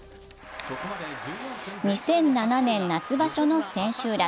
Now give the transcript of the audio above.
２００７年夏場所の千秋楽。